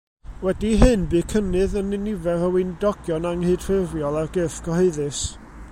Wedi hyn bu cynnydd yn y nifer o weinidogion anghydffurfiol ar gyrff cyhoeddus.